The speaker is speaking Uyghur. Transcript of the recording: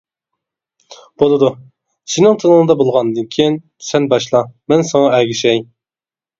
-بولىدۇ، سېنىڭ تىلىڭدا بولغاندىكىن سەن باشلا، مەن ساڭا ئەگىشەي!